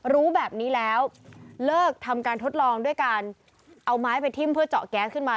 รู้แบบนี้แล้วเลิกทำการทดลองด้วยการเอาไม้ไปทิ้มเพื่อเจาะแก๊สขึ้นมา